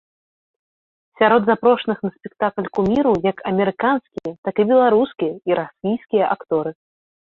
Сярод запрошаных на спектакль куміраў як амерыканскія, так і беларускія, і расійскія акторы.